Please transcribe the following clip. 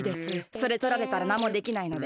それとられたらなんもできないので。